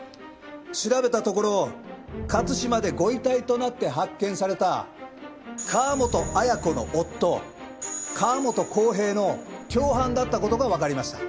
調べたところ勝島でご遺体となって発見された川本綾子の夫・川本浩平の共犯だった事がわかりました。